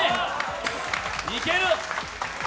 いける。